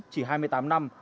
chỉ hai mươi tám năm